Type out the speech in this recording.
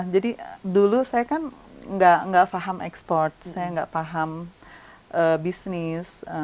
jadi dulu saya kan enggak paham ekspor saya enggak paham bisnis